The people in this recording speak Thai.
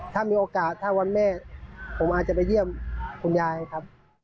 ถ้ามีโอกาสถ้าวันแม่ผมอาจจะไปเยี่ยมคุณยายครับ